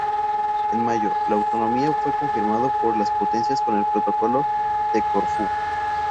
En mayo, la autonomía fue confirmado por las potencias con el Protocolo de Corfú.